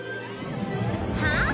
はあ？